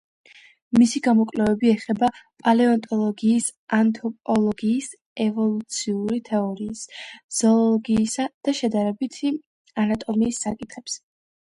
მისი გამოკვლევები ეხება პალეონტოლოგიის, ანთროპოლოგიის, ევოლუციური თეორიის, ზოოლოგიისა და შედარებითი ანატომიის საკითხებს.